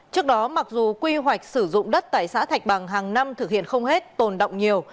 trước đó mặc dù quy hoạch sử dụng đất tại xã thạch bằng hàng năm thực hiện không hết tồn động nhiều